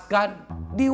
ini ada yang mendingan